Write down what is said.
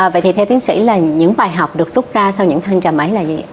vậy thì theo tuyến sĩ là những bài học được rút ra sau những thăng trầm ấy là gì